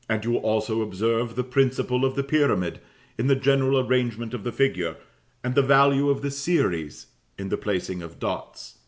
You will also observe the "principle of the pyramid" in the general arrangement of the figure, and the value of "series" in the placing of dots.